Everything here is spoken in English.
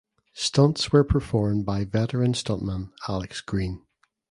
Stunts were performed by veteran stuntman Alex Green.